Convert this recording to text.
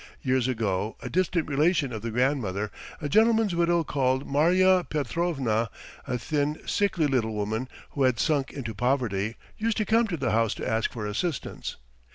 Years ago a distant relation of the grandmother, a gentleman's widow called Marya Petrovna, a thin, sickly little woman who had sunk into poverty, used to come to the house to ask for assistance.